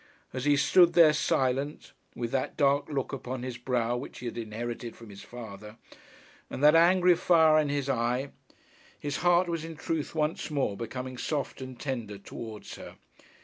As he stood there silent, with that dark look upon his brow which he had inherited from his father, and that angry fire in his eye, his heart was in truth once more becoming soft and tender towards her.